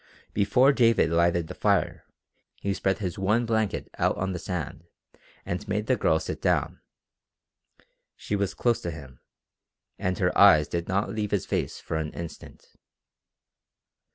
Before David lighted the fire he spread his one blanket out on the sand and made the Girl sit down. She was close to him, and her eyes did not leave his face for an instant.